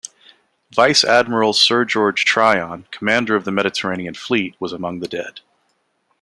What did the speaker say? Vice-Admiral Sir George Tryon, commander of the Mediterranean Fleet, was among the dead.